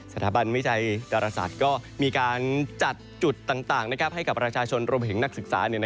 สถาบันวิจัยแต่ลศจิตก็มีการจัดจุดต่างให้กับราชาชนรวมหลายถึงนักศึกษา